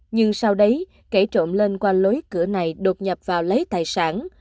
nhưng sau đấy kẻ trộm lên qua lối cửa này đột nhập vào lấy tài sản